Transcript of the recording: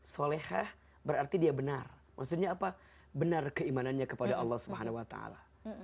solehah berarti dia benar maksudnya apa benar keimanannya kepada allah subhanahu wa ta'ala